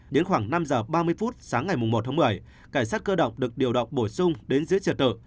đến khoảng năm h ba mươi sáng ngày một tháng một mươi cảnh sát cơ động được điều động bổ sung đến giữa trời tự